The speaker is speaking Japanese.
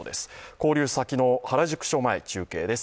勾留先の原宿署前中継です。